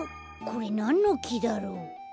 これなんのきだろう？